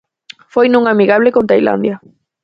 Foi nun amigable con Tailandia.